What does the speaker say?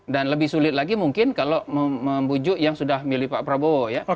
dan lebih sulit lagi mungkin kalau memujuk yang sudah milih pak prabowo ya